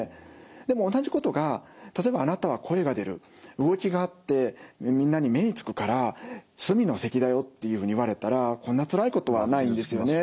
でも同じことが例えばあなたは声が出る動きがあってみんなに目につくから隅の席だよっていうふうに言われたらこんなつらいことはないんですよね。